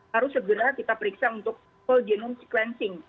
harus segera kita periksa untuk whole genome sequencing